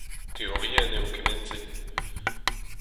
Teorienn eo kement-se.